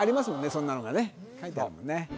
そんなのがね書いてあるもんね